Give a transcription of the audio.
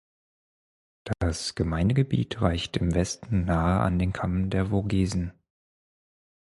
Das Gemeindegebiet reicht im Westen nahe an den Kamm der Vogesen.